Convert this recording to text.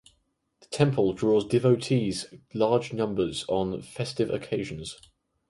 The temple draws devotees in large numbers on festive occasions.